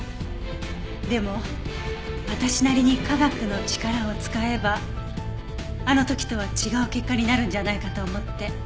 でも私なりに科学の力を使えばあの時とは違う結果になるんじゃないかと思って。